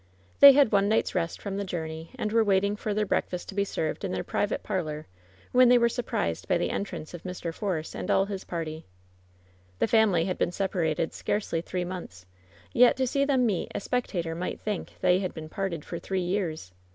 They had one night's rest from the journey, and were waiting for their breakfast to be served in their private parlor, when they were surprised by the entrance of Mr. _ Force and all his party. The family had been separated scarcely three months, yet to see them meet a spectator nciight think they had been parted for three years.